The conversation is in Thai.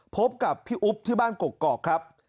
พบกับพี่อุ๊บที่บ้านกกอกครับ